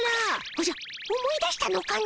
おじゃ思い出したのかの。